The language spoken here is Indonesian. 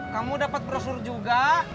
kamu dapat brosur juga